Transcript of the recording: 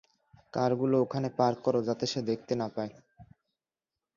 কার গুলো ওখানে পার্ক কর যাতে সে দেখতে না পায়।